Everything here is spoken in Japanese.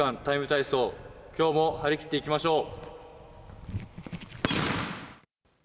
ＴＩＭＥ，体操」、今日も張り切っていきましょう。